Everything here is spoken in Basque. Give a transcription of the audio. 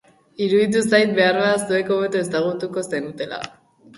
Iruditu zait, beharbada, zuek hobeto ezagutuko zenutela...